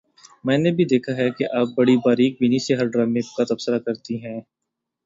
میں نے بھی دیکھا ہے کہ آپ بڑی باریک بینی سے ہر ڈرامے کا تبصرہ کرتی ہیں